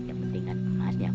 recipe yang bagus ya